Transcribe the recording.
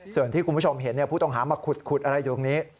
ส่วนที่คุณผู้ชมเห็นผู้ต้องหามาขุดอะไรอยู่ตรงนี้